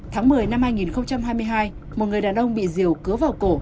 tháng một mươi năm hai nghìn hai mươi hai một người đàn ông bị diều cứa vào cổ